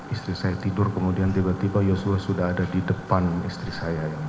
istri saya tidur kemudian tiba tiba yosua sudah ada di depan istri saya